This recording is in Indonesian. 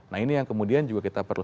nah ini yang kemudian juga kita perlu